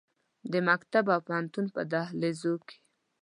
د مکتب او پوهنتون په دهلیزو کې